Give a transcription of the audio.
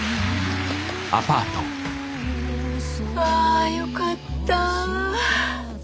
あよかった。